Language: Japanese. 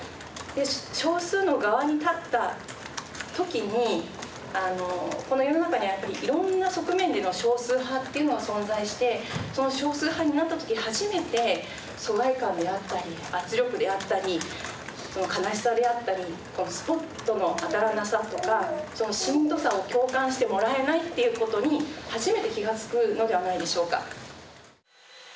少数の側に立った時にこの世の中にはいろんな側面での少数派っていうのが存在してその少数派になった時初めて疎外感であったり圧力であったりその悲しさであったりスポットの当たらなさとかそのしんどさを共感してもらえないということに初めて気が付くのではないでしょうか。